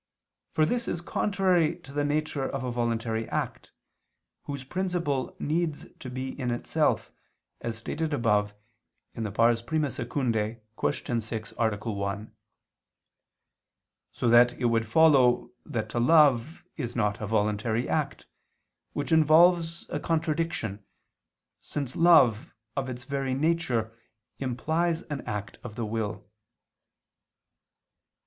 For this is contrary to the nature of a voluntary act, whose principle needs to be in itself, as stated above (I II, Q. 6, A. 1): so that it would follow that to love is not a voluntary act, which involves a contradiction, since love, of its very nature, implies an act of the will.